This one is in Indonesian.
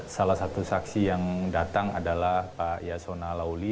salah satu saksi yang datang adalah pak yasona lauli